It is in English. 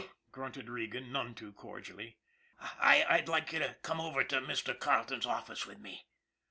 " grunted Regan, none too cordially. " I'd like you to come over to Mr. Carleton's office with me."